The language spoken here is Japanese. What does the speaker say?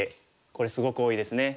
これすごく多いですね。